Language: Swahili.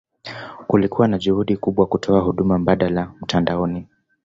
Kulikuwa na juhudi kubwa kutoa huduma mbadala mtandaoni.